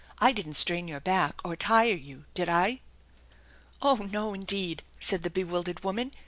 " I didn't strain your back or tire you, did I ?"" Oh, no, indeed !" said the bewildered woman.